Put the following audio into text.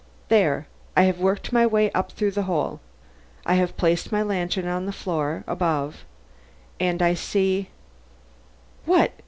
There! I have worked my way up through the hole. I have placed my lantern on the floor above and I see What!